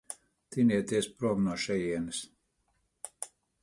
Tinieties prom no šejienes.